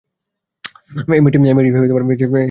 এই মেয়েটির চেহারা বিশেষত্বহীন।